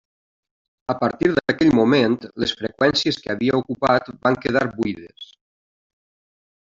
A partir d’aquell moment, les freqüències que havia ocupat van quedar buides.